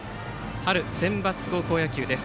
春センバツ高校野球です。